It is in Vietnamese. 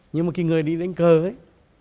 nhưng mà khi người đi đánh cờ ấy